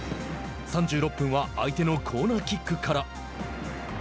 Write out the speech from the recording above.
３６分は相手のコーナーキックから。